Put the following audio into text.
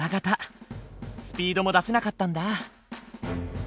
スピードも出せなかったんだ。